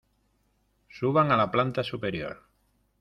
suban a la planta superior.